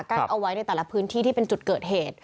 เอาไว้ในแต่ละพื้นที่ที่เป็นจุดเกิดเหตุ